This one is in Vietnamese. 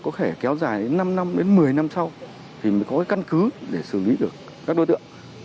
có thể kéo dài đến năm năm đến một mươi năm sau thì mới có cái căn cứ để xử lý được các đối tượng